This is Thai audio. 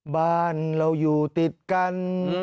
บ้านเราอยู่ติดกัน